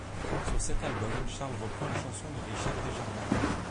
Sur cet album, Charles reprend une chanson de Richard Desjardins.